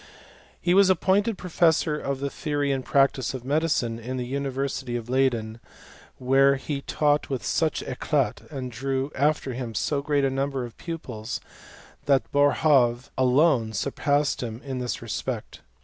He was appointed professor of the theory and practice of medicine in the University of Leyden, where he taught with such eclat, and drew after him so great a number of pupils, that Boerhaave alone surpassed him in this respect.